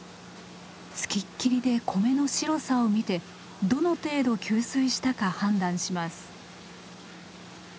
付きっきりで米の白さを見てどの程度吸水したか判断します。